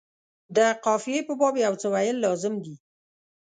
د قافیې په باب یو څه ویل لازم دي.